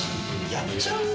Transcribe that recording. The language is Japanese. やっちゃう？